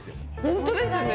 本当ですね。